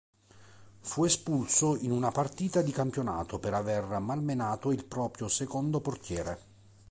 Fu espulso in una partita di campionato per aver malmenato il proprio secondo portiere.